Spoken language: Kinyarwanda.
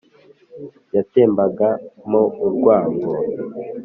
yatembaga mo urwango